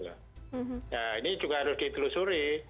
nah ini juga harus ditelusuri